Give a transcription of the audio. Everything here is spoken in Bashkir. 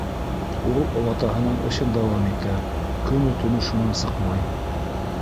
Ул олатаһының эшен дауам итә, көнө-төнө шунан сыҡмай.